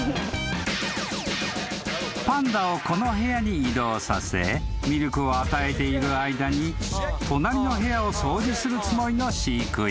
［パンダをこの部屋に移動させミルクを与えている間に隣の部屋を掃除するつもりの飼育員］